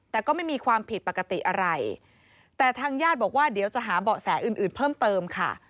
แต่ก็ไม่มีความผิดปกติอะไรแต่ทางญาติบอกว่าเดี๋ยวจะหาเบาะแสอื่นอื่นเพิ่มเติมค่ะ